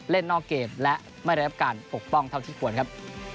เล่นนอกเกมและไม่ได้รับการปกป้องเท่าที่ควรครับ